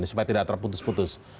supaya tidak terputus putus